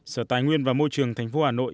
sở tài nguyên và môi trường tp hà nội